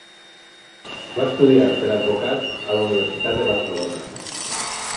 Va estudiar per advocat a la Universitat de Barcelona.